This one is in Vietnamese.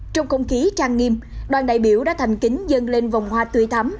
trong không khí trang nghiêm đoàn đại biểu đã thành kính dâng lên vòng hoa tươi thắm